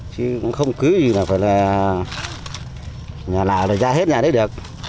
chứ không cứ gì là phải là nhà nào ra hết nhà đấy được